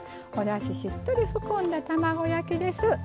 おだししっとり含んだ卵焼きです。